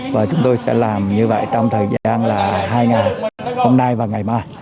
và chúng tôi sẽ làm như vậy trong thời gian là hai ngày hôm nay và ngày mai